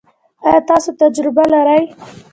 ایا تاسو تجربه لرئ؟